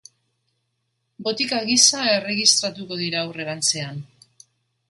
Botika gisa erregistratuko dira aurrerantzean.